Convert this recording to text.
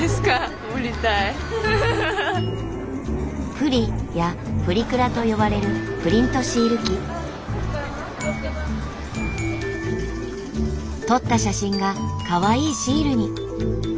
「プリ」や「プリクラ」と呼ばれる撮った写真がかわいいシールに。